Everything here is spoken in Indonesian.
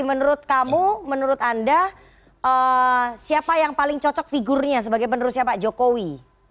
menurut kamu menurut anda siapa yang paling cocok figurnya sebagai penerusnya pak jokowi